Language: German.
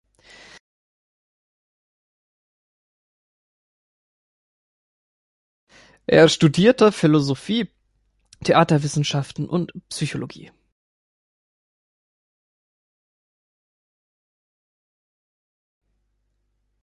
Er studierte Philosophie, Theaterwissenschaften und Psychologie.